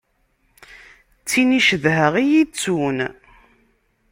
D tin i cedheɣ i yi-ittun.